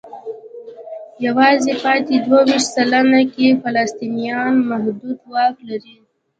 یوازې پاتې دوه ویشت سلنه کې فلسطینیان محدود واک لري.